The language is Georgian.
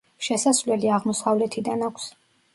შესასვლელი აღმოსავლეთიდან აქვს.